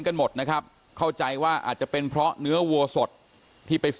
กันหมดนะครับเข้าใจว่าอาจจะเป็นเพราะเนื้อวัวสดที่ไป